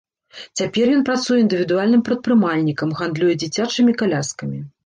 Цяпер ён працуе індывідуальным прадпрымальнікам, гандлюе дзіцячымі каляскамі.